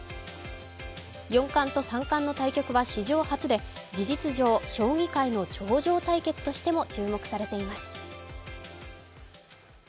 四冠と３冠の対局は史上初で、事実上、将棋界の頂上対決と注目されています。